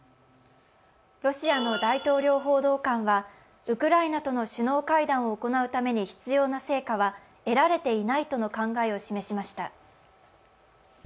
ロシアの大統領報道官は、ウクライナとの首脳会談を行うために必要な成果は得られていないとの考えを示しました。